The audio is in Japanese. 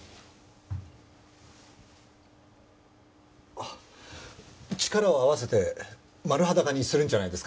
あっ力を合わせてマル裸にするんじゃないですか？